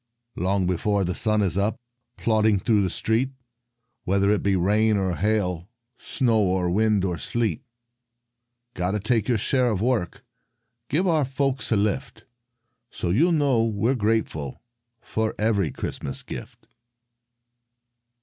Long before the sun is up, Plodding through the street, Whether it be rain or hail, Snow or wind or sleet. Got to take our share of work, Give our folks a lift. So you'll know we're grateful for Every Christmas gift.